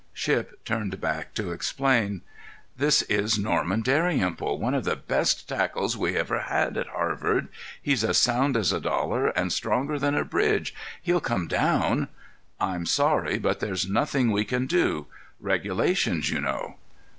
Shipp turned back to explain. "This is Norman Dalrymple, one of the best tackles we ever had at Harvard. He's as sound as a dollar and stronger than a bridge. He'll come down—" "I'm sorry; but there's nothing we can do. Regulations, you know."